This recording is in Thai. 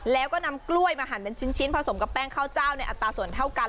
แล้วก็นำกล้วยมาหั่นเป็นชิ้นผสมกับแป้งข้าวเจ้าในอัตราส่วนเท่ากัน